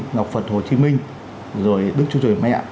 ngọc phật hồ chí minh rồi đức chúa trời mẹ